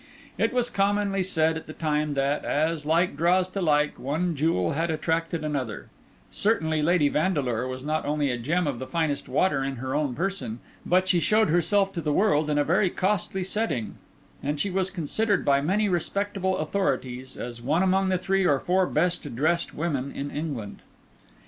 It was commonly said at the time that, as like draws to like, one jewel had attracted another; certainly Lady Vandeleur was not only a gem of the finest water in her own person, but she showed herself to the world in a very costly setting; and she was considered by many respectable authorities, as one among the three or four best dressed women in England.